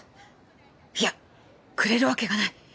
いやくれるわけがない！